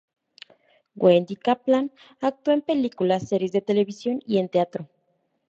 Wendy Kaplan actuó en películas, series de televisión y en teatro.